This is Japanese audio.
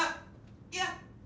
いや！